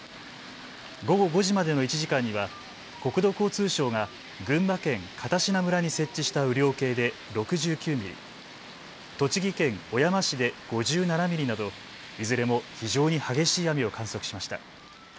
午後５時までの１時間には国土交通省が群馬県片品村に設置した雨量計で６９ミリ、栃木県小山市で５７ミリなどいずれも非常に激しい雨を観測しました。